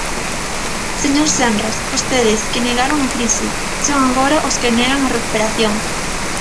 Señor Senras, vostedes, que negaron a crise, son agora os que negan a recuperación.